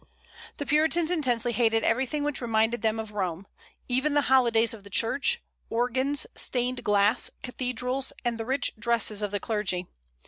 The Puritans intensely hated everything which reminded them of Rome, even the holidays of the Church, organs, stained glass, cathedrals, and the rich dresses of the clergy.